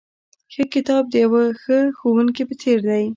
ښه کتاب د یوه ښه ښوونکي په څېر دی.